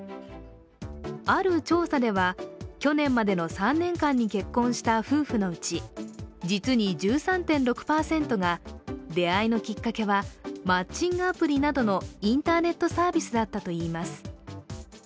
ある調査では、去年までの３年間に結婚した夫婦のうち実に１３．６％が出会いのきっかけはマッチングアプリなどのインターネットサービスだったといいます。